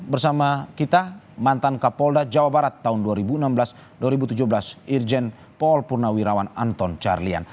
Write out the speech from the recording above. bersama kita mantan kapolda jawa barat tahun dua ribu enam belas dua ribu tujuh belas irjen paul purnawirawan anton carlian